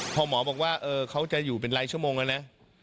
พอหมอบอกว่าเขาจะอยู่เป็นรายชั่วโมงแล้วนะ